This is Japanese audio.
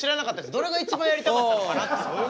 どれが一番やりたかったのかなって。